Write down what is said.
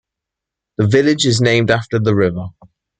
The village is named after the river.